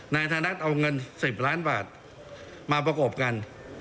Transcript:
นายธนัดเอาเงิน๑๐ล้านบาทมาประกบกัน